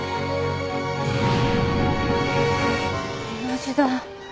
同じだ。